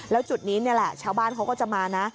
แล้วจุดนี้นี่แหละชาวบ้านเขาก็จะมานะ